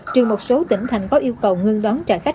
trừ một số tỉnh thành có yêu cầu ngưng đón trả khách